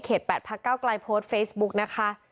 ๘พักเก้าไกลโพสต์เฟซบุ๊กนะคะ